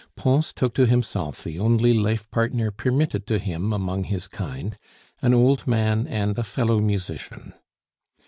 Pons took to himself the only life partner permitted to him among his kind an old man and a fellow musician.